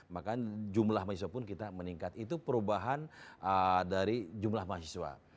makanya jumlah mahasiswa pun kita meningkat itu perubahan dari jumlah mahasiswa